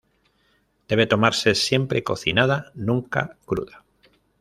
Debe tomarse siempre cocinada, nunca cruda.